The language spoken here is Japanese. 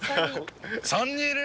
３人いる！？